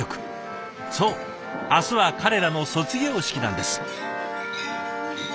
そう明日は彼らの卒業式なんです。